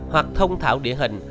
hoặc thông thảo địa hình